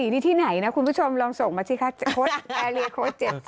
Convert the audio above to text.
นี่ที่ไหนนะคุณผู้ชมลองส่งมาสิคะโค้ดแอร์เรียโค้ด๗๐